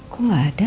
kok gak ada